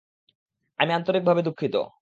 আমি আন্তরিকভাবে দুঃখিত।